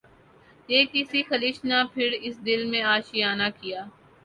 یہ کس خلش نے پھر اس دل میں آشیانہ کیا